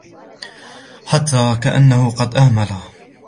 حَتَّى كَأَنَّهُ قَدْ أَهْمَلَ